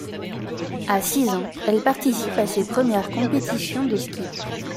À six ans, elle participe à ses premières compétitions de ski.